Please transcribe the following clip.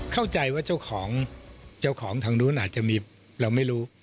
เข้าใจว่าเจ้าของเจ้าของทางนู้นอาจจะมีเราไม่รู้